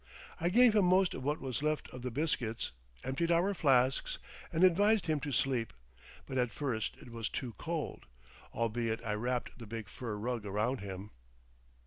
I gave him most of what was left of the biscuits, emptied our flasks, and advised him to sleep, but at first it was too cold, albeit I wrapped the big fur rug around him.